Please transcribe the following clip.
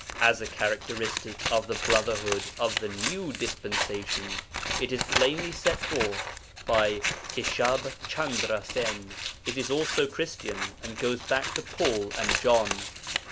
As a characteristic of the Brotherhood of the 'New Dispensation' it is plainly set forth by Keshab Chandra Sen. It is also Christian, and goes back to Paul and John.